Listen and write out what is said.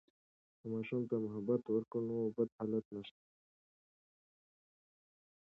که ماشوم ته محبت وکړو، نو بد حالات نشته.